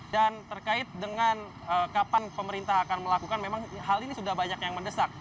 dan terkait dengan kapan pemerintah akan melakukan memang hal ini sudah banyak yang mendesak